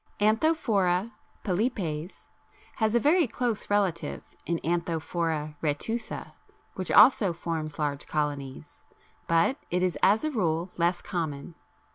Anthophora pilipes has a very close relative in Anthophora retusa, which also forms large colonies, but it is as a rule less common.